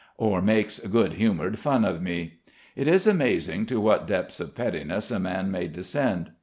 or makes good humoured fun of me. It is amazing to what depths of pettiness a man may descend.